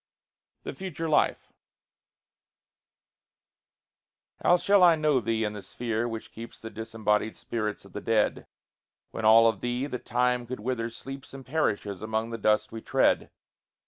THE FUTURE LIFE How shall I know thee in the sphere which keeps The disembodied spirits of the dead, When all of thee that time could wither sleeps And perishes among the dust we tread?